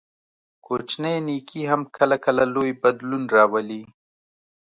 کوچنی نیکي هم کله کله لوی بدلون راولي.